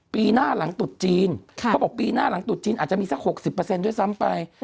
ปีหน้าหลังตุดจีนเขาบอกปีหน้าหลังตุดจีนอาจจะมีสักหกสิบเปอร์เซ็นต์ด้วยซ้ำไป